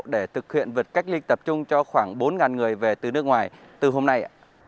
để thực hiện vượt cách ly tập trung cho khoảng bốn người về từ nước ngoài từ hôm nay